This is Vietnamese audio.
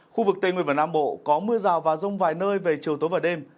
khu vực tây nguyên và nam bộ có mưa rào và rông vài nơi về chiều tối và đêm